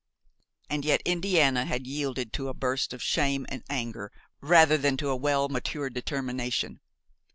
And yet Indiana had yielded to a burst of shame and anger rather than to a well matured determination.